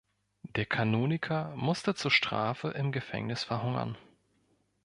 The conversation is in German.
Der Kanoniker musste zur Strafe im Gefängnis verhungern.